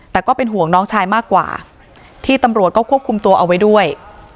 แต่ก็เป็นห่วงน้องชายมากกว่าที่ตำรวจก็ควบคุมตัวเอาไว้ด้วย